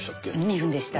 ２分でした。